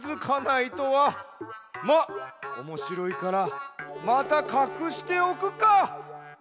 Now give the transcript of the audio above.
まっおもしろいからまたかくしておくか！